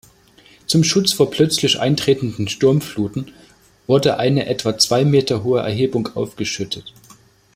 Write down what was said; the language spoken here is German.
Zum Schutz vor plötzlich eintretenden Sturmfluten wurde eine etwa zwei Meter hohe Erhebung aufgeschüttet.